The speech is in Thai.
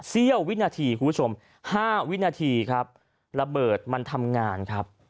เสี้ยววินาทีคุณผู้ชม๕วินาทีครับระเบิดมันทำงานครับ